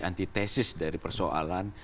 antitesis dari persoalan